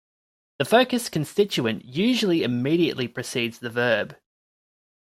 The focused constituent usually immediately precedes the verb.